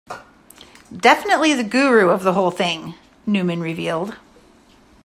Definitely the guru of the whole thing, Newman revealed.